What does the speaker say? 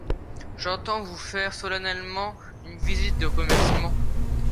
J’entends vous faire solennellement une visite de remercîments.